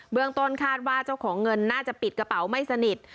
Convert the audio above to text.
เมืองต้นคาดว่าเจ้าของเงินน่าจะปิดกระเป๋าไม่สนิท